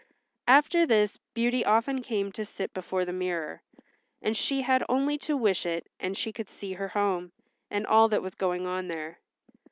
After this Beauty often came to sit before the mirror, and she had only to wish it and she could see her home, and all that was going on there.